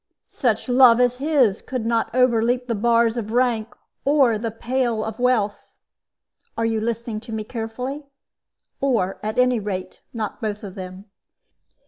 "Such love as his could not overleap the bars of rank or the pale of wealth are you listening to me carefully? or, at any rate, not both of them.